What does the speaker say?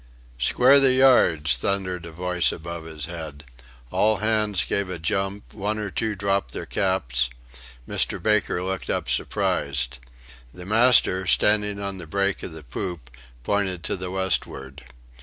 "Square the yards!" thundered a voice above his head. All hands gave a jump; one or two dropped their caps; Mr. Baker looked up surprised. The master, standing on the break of the poop, pointed to the westward.